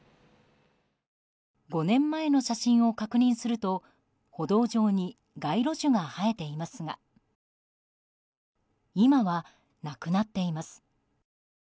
５年前の写真を確認すると歩道上に街路樹が生えていますが今はなくなっています。